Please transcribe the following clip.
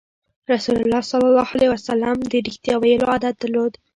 رسول الله ﷺ د رښتیا ویلو عادت درلود.